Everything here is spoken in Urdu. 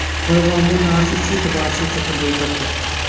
اور عوام الناس اسی اعتبار سے اسے قبول کرتے ہیں